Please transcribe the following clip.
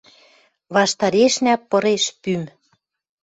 Ваштарешнӓ пыреш пӱм.